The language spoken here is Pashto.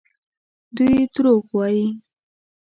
دوی دروغ وايي.